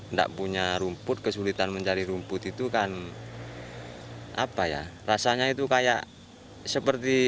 enggak punya rumput kesulitan mencari rumput itu kan apa ya rasanya itu kayak seperti